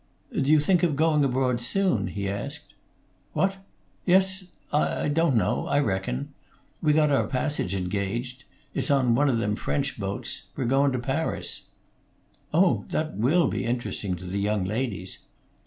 "Do you think of going abroad soon?" he asked. "What? Yes I don't know I reckon. We got our passage engaged. It's on one of them French boats. We're goin' to Paris." "Oh! That will be interesting to the young ladies."